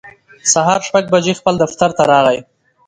سهار شپږ بجې خپل دفتر راغی